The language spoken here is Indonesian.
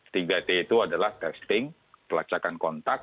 tiga t itu adalah testing pelacakan kontak dan treatment